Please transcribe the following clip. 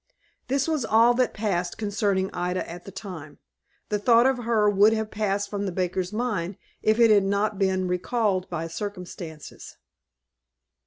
This was all that passed concerning Ida at that time. The thought of her would have passed from the baker's mind, if it had not been recalled by circumstances.